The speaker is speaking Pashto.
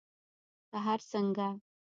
که هر څنګه